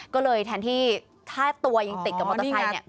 ก็เลยแทนที่ถ้าตัวยังติดกับมอเตอร์ไซค์เนี่ย